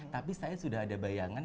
tapi saya sudah ada bayangan